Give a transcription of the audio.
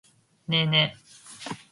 ねえねえ。